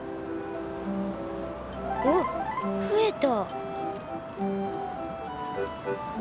おっふえた。